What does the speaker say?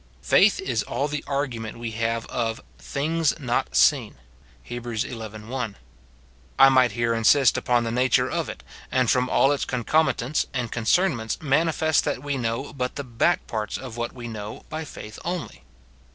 Faith is all the argument we have of "things not seen," Heb. xi. 1. I might here insist upon the nature of it ; and from all its concomitants and concernments manifest that we know but the back, parts of what we know by faith only.